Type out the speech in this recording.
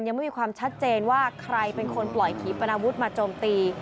ยังไม่มีความชัดเจนว่าใครเป็นคนปล่อยผีปนาวุฒิมาโจมตี